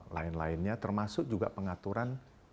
lain lainnya termasuk juga pengaturan